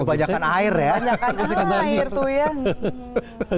kebajakan air itu ya